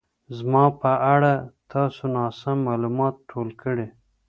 زما په اړه تاسو ناسم مالومات ټول کړي